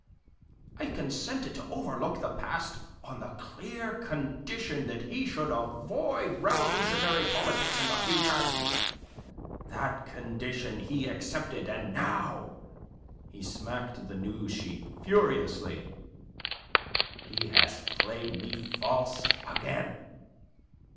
I consented to overlook the past on the clear condition that he should avoid revolutionary politics in future. That condition he accepted, and now" he smacked the news sheet furiously "he has played me false again.